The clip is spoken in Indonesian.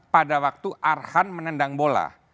pada waktu arhan menendang bola